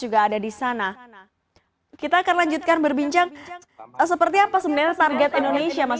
juga ada di sana kita akan lanjutkan berbincang seperti apa sebenarnya target indonesia mas